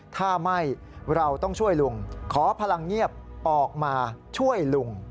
ถ้าไม่เราต้องช่วยลุงขอพลังเงียบออกมาช่วยลุง